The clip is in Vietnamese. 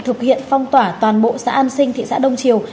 thực hiện phong tỏa toàn bộ xã an sinh thị xã đông triều